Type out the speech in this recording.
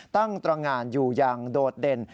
ตั้งตรงานอยู่อย่างโดดเด่น